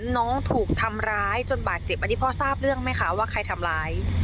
น้องถูกทำร้ายจนบาดเจ็บอันนี้พ่อทราบเรื่องไหมคะว่าใครทำร้าย